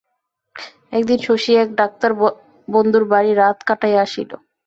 একদিন শশী এক ডাক্তার বন্ধুর বাড়ি রাত কাটাইয়া আসিল।